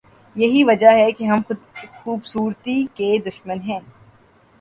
یہی وجہ ہے کہ ہم خوبصورتی کے دشمن ہیں۔